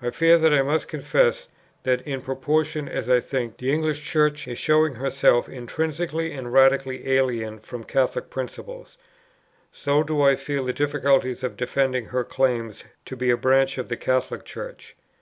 "I fear that I must confess, that, in proportion as I think the English Church is showing herself intrinsically and radically alien from Catholic principles, so do I feel the difficulties of defending her claims to be a branch of the Catholic Church.